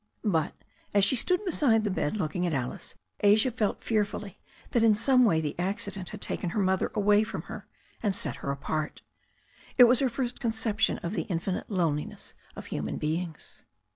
But, as she stood beside the bed looking at Alice, Asia felt fear fully that in some way the accident had taken her mother away from her, and set her apart. It was her first concep tion of the infinite loneliness of human beings.